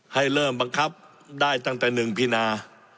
ให้เริ่มบังคับได้ตั้งแต่๑พินา